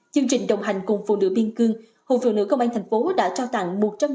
chương trình đồng hành cùng phụ nữ biên cương hội phụ nữ công an tp hcm đã trao tặng